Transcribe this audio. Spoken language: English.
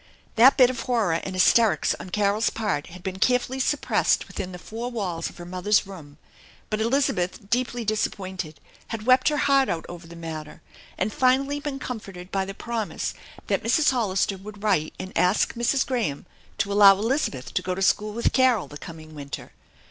That bit of horror and hysterics on Carol's part had been carefully suppressed within the four walls of her mother's room; but Elizabeth, deeply disappointed, had wept her heart out over the matter, and finally been comforted by the promise that Mrs. Hollister would write and ask Mrs. Graham to allow Elizabeth to go to school with Carol the coming winter.